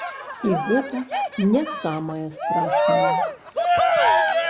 І гэта не самае страшнае.